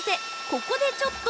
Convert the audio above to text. ここでちょっと］